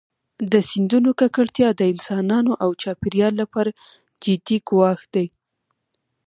د سیندونو ککړتیا د انسانانو او چاپېریال لپاره جدي ګواښ دی.